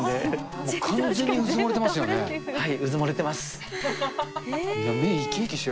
もう完全にうずもれてますよ